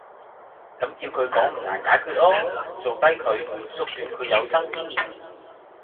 咁照佢講唔難解決喔，做低佢!縮短佢有生之年!